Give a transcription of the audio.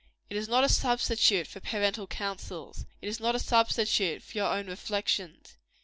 It is not a substitute for parental counsels. It is not a substitute for your own reflections.